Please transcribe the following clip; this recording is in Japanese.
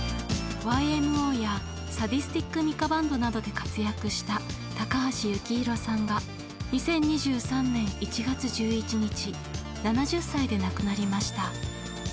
ＹＭＯやサディスティック・ミカ・バンドなどで活躍した高橋幸宏さんが２０２３年１月１１日７０歳で亡くなりました。